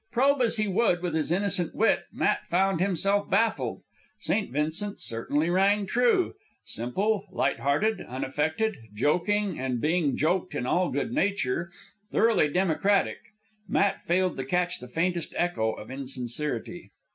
Probe as he would with his innocent wit, Matt found himself baffled. St. Vincent certainly rang true. Simple, light hearted, unaffected, joking and being joked in all good nature, thoroughly democratic. Matt failed to catch the faintest echo of insincerity.